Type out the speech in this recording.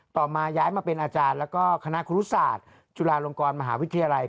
มาย้ายมาเป็นอาจารย์แล้วก็คณะครูศาสตร์จุฬาลงกรมหาวิทยาลัย